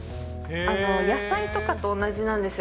野菜とかと同じなんですよ。